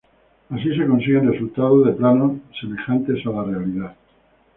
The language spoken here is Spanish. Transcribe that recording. Así se consiguen resultados de planos semejantes a la realidad.